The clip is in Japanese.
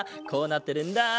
こうなってるんだ。